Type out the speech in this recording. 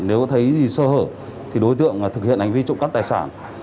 nếu thấy sơ hở thì đối tượng thực hiện hành vi trộm cắp tài sản